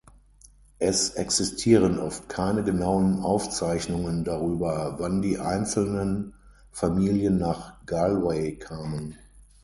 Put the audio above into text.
Es existieren oft keine genauen Aufzeichnungen darüber, wann die einzelnen Familien nach Galway kamen.